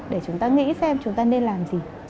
để chúng ta nghĩ xem chúng ta nên làm gì